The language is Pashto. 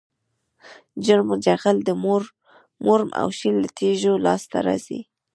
نرم جغل د مورم او شیل له تیږو لاسته راځي